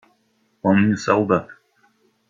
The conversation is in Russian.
Он не солдат.